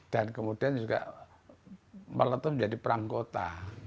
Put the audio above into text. dan kemudian juga malah itu menjadi perang kota